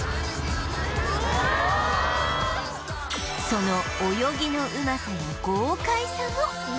その泳ぎのうまさや豪快さも